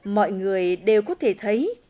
mọi người đều có thể thấy